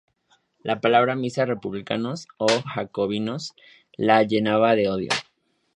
La palabra misma "Republicanos" o "Jacobinos" la llenaba de odio.